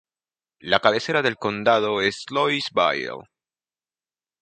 La cabecera del condado es Louisville.